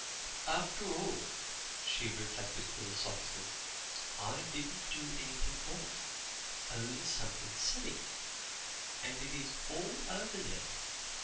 "After all," she reflected philosophically, "I didn't do anything wrong only something silly and it is all over now.